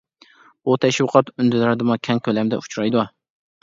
بۇ تەشۋىقات ئۈندىداردىمۇ كەڭ كۆلەمدە ئۇچرايدۇ.